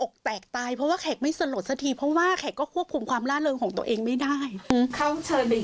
เข้าเฉินอีกสักรอบจะไปไหม